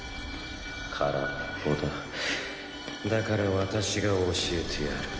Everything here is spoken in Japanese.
空っぽだだから私が教えてやる。